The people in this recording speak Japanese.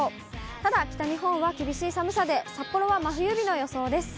ただ、北日本は厳しい寒さで、札幌は真冬日の予想です。